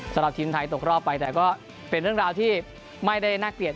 สำหรับทีมไทยตกรอบไปแต่ก็เป็นเรื่องราวที่ไม่ได้น่าเกลียด